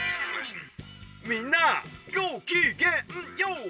みんなごきげんＹＯ！